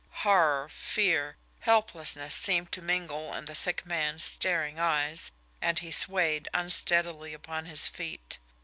Horror, fear, helplessness seemed to mingle in the sick man's staring eyes, and he swayed unsteadily upon his feet.